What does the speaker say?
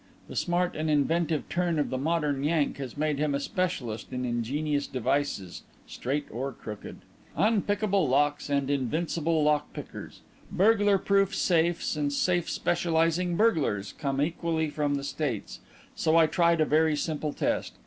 The smart and inventive turn of the modern Yank has made him a specialist in ingenious devices, straight or crooked. Unpickable locks and invincible lock pickers, burglar proof safes and safe specializing burglars, come equally from the States. So I tried a very simple test.